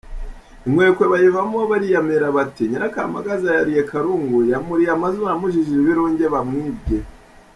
Inkwekwe bayivaho bariyamirira bati "Nyirakamagaza yariye Karungu; yamuriye amazuru amujijije ibirunge yamwibye!".